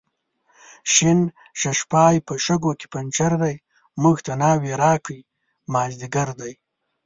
شین ششپای په شګو کې پنچر دی، موږ ته ناوې راکئ مازدیګر دی